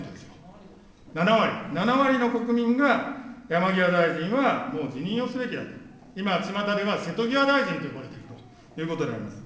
７割、７割の国民が山際大臣はもう辞任をすべきだと、今、ちまたでは瀬戸際大臣と呼ばれているということであります。